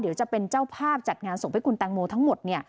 เดี๋ยวจะเป็นเจ้าภาพจัดงานศพให้คุณแตงโมทั้งหมด